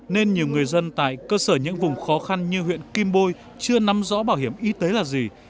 nên nhiều người dân tại cơ sở những vùng khó khăn như huyện kim bôi chưa nắm rõ bảo hiểm y tế là gì